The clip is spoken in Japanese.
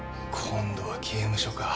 今度は刑務所か。